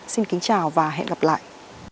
xin kính chào và hẹn gặp lại